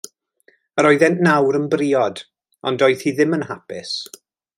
Yr oeddent nawr yn briod, ond doedd hi ddim yn hapus.